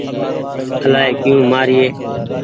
الآئي ڪيو مآر يي۔